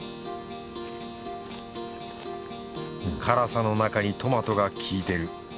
辛さの中にトマトが効いてる。